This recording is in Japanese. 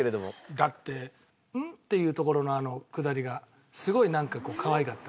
だって「ん？」って言うところのくだりがすごいなんかかわいかった。